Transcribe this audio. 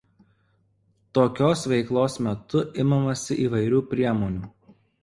Tokios veiklos metu imamasi įvairių priemonių.